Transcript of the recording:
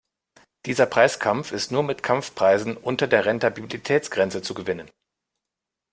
Dieser Preiskampf ist nur mit Kampfpreisen unter der Rentabilitätsgrenze zu gewinnen.